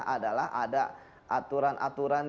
adalah ada aturan aturan